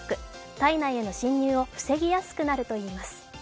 体内への侵入を防ぎやすくなるといいます。